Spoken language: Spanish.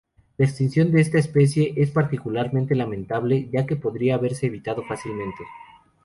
La extinción de esta especie es particularmente lamentable, ya que podría haberse evitado fácilmente.